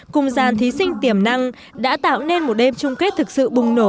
cùng dàn thí sinh tiềm năng đã tạo nên một đêm chung kết thực sự bùng nổ